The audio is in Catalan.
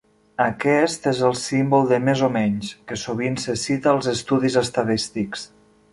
Aquest és el símbol de "més o menys" que sovint se cita als estudis estadístics.